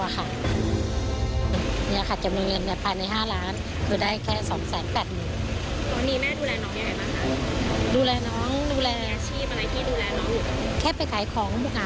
ไปสนุนโดยน้ำดื่มสิง